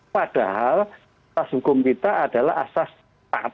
padahal asas hukum kita adalah asas taat